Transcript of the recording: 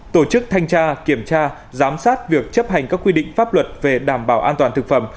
tổ chức thanh tra kiểm tra giám sát việc chấp hành các quy định pháp luật về đảm bảo an toàn thực phẩm